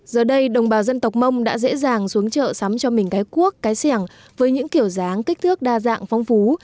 giờ đây đồng bào dân tộc mông đã dễ dàng xuống chợ sắm cho mình cái cuốc cái xẻng với những kiểu dáng kích thước đa dạng phong phú